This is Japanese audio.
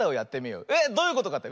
えっどういうことかって？